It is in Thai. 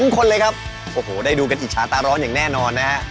คนเลยครับโอ้โหได้ดูกันอิจฉาตาร้อนอย่างแน่นอนนะฮะ